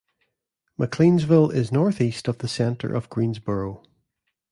McLeansville is northeast of the center of Greensboro.